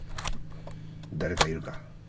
誰かいるか？